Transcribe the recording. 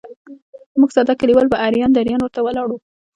موږ ساده کلیوال به اریان دریان ورته ولاړ وو.